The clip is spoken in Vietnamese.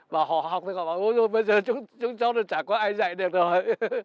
và họ học thì họ bảo bây giờ chúng cháu chả có ai dạy được rồi